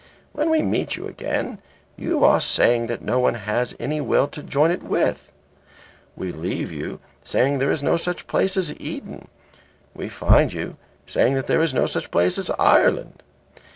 When we meet you again you are saying that no one has any will to join it with. We leave you saying that there is no such place as Eden. We find you saying that there is no such place as Ireland.